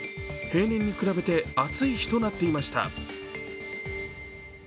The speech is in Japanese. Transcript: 平年に比べて暑い日となっていました。